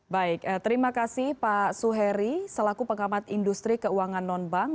baik terima kasih pak suheri selaku pengamat industri keuangan non bank